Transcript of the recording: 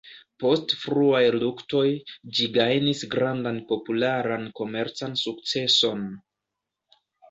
Post fruaj luktoj, ĝi gajnis grandan popularan komercan sukceson.